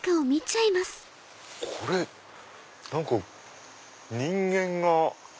これ何か人間が。